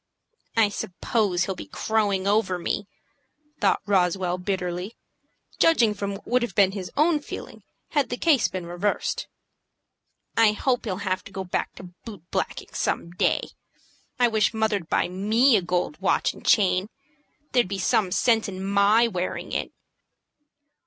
"I suppose he'll be crowing over me," thought Roswell, bitterly, judging from what would have been his own feeling had the case been reversed. "I hope he'll have to go back to boot blacking some day. I wish mother'd buy me a gold watch and chain. There'd be some sense in my wearing it."